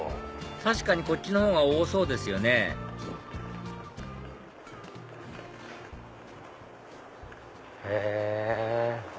確かにこっちのほうが多そうですよねへぇ。